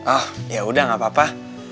oh yaudah gak apa apa